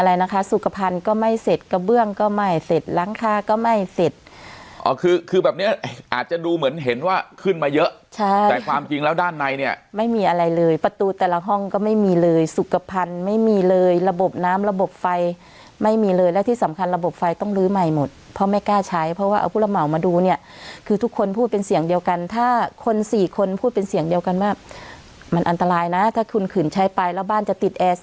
เยอะใช่แต่ความจริงแล้วด้านในเนี่ยไม่มีอะไรเลยประตูแต่ละห้องก็ไม่มีเลยสุขภัณฑ์ไม่มีเลยระบบน้ำระบบไฟไม่มีเลยและที่สำคัญระบบไฟต้องลื้อใหม่หมดเพราะไม่กล้าใช้เพราะว่าเอาผู้รับเบามาดูเนี่ยคือทุกคนพูดเป็นเสียงเดียวกันถ้าคนสี่คนพูดเป็นเสียงเดียวกันว่ามันอันตรายนะถ้าคุณขื่นใช้ไปแล้